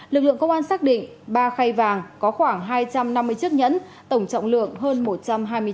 lực lượng công an xác định ba khay vàng có khoảng hai trăm năm mươi chiếc nhẫn tổng trọng lượng hơn một trăm hai mươi tấn